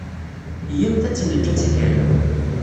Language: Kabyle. Iyyamt ad tt-neǧǧ ad teg aya.